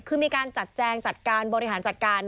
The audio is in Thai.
คือมีการจัดแจงจัดการบริหารจัดการ